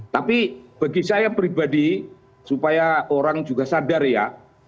tapi bagi saya pribadi supaya orang juga sadar ya